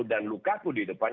dan lukaku di depan